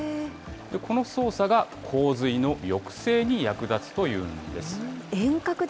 この操作が、洪水の抑制に役立つというんです。